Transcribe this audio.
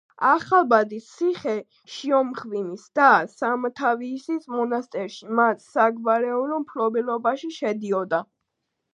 ახალდაბის ციხე, შიომღვიმის და სამთავისის მონასტრები მათ საგვარეულო მფლობელობაში შედიოდა.